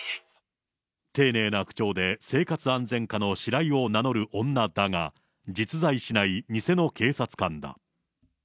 丁寧な口調で、生活安全課のシライを名乗る女だが、実在しない偽の警察官だ。